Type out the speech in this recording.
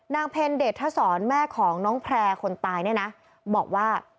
เพลเดชทศรแม่ของน้องแพร่คนตายเนี่ยนะบอกว่า